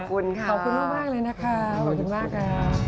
ขอบคุณค่ะขอบคุณมากเลยนะคะขอบคุณมากค่ะ